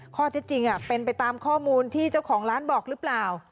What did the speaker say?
ข้อเท็จจริงเป็นไปตามข้อมูลที่เจ้าของร้านบอกหรือเปล่า